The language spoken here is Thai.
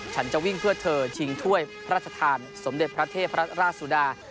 ฉันจะวิ่งเพื่อเธอชิงถ้วยพระราชทานสมเด็จพระเทพรัตนราชสุดา